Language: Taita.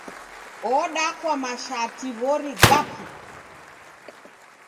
Odakwa mashati w'ori gapu!